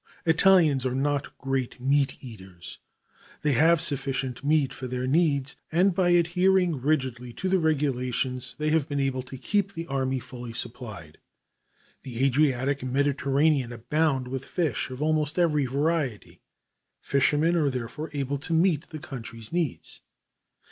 Italians are not great meat eaters; they have sufficient meat for their needs, and by adhering rigidly to the regulations they have been able to keep the army fully supplied. The Adriatic and the Mediterranean abound with fish of almost every variety. Fishermen are therefore able to meet the country's needs.